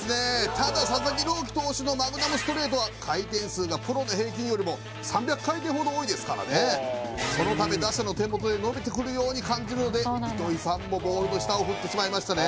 ただ佐々木朗希投手のマグナムストレートは回転数がプロの平均よりも３００回転ほど多いですからねそのため打者の手元で伸びてくるように感じるので糸井さんもボールの下を振ってしまいましたね